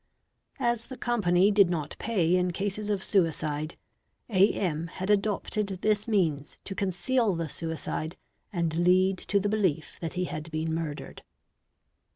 As the company did not pay in cases of suicide, A. M., had adopted this means to conceal the suicide and lead to the belief that he had been murdered.